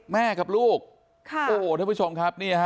แม่กับลูกโอ้โหท่านผู้ชมครับ